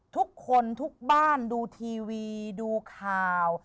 ทุกคนทุกบ้านดูทีวีดูข่าว